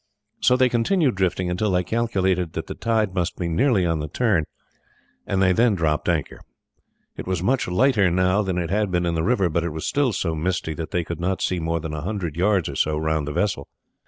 So they continued drifting until they calculated that the tide must be nearly on the turn, and they then dropped anchor. It was much lighter now than it had been in the river, but was still so misty that they could not see more than a hundred yards or so round the vessel.